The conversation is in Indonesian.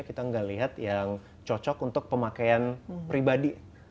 kita tidak melihat yang cocok untuk pemakaian pribadi